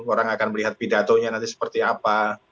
orang akan melihat pidatonya nanti seperti apa